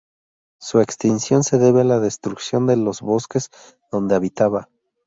Su extinción se debe a la destrucción de los bosques donde habitaba.